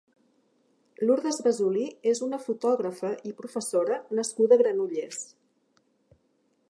Lurdes Basolí és una fotògrafa i professora nascuda a Granollers.